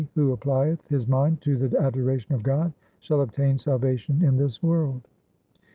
Nanak, only he who applieth his mind to the adoration of God, shall obtain salvation in this world.